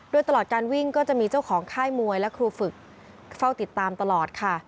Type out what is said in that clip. โดยตลอดการวิ่งก็จะมีเจ้าของค่ายมวยและครูฝึกเฝ้าติดตามตลอดค่ะ